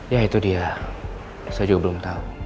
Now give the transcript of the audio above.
ya itu dia saya juga belum tahu